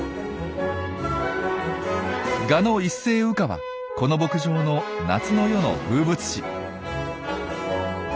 ガの一斉羽化はこの牧場の夏の夜の風物詩。